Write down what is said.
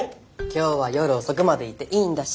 今日は夜遅くまでいていいんだし。